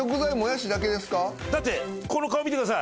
だってこの顔見てください。